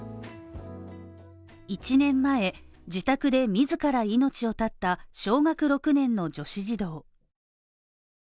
１年前、自宅で自ら命を絶った小学６年の女子児童。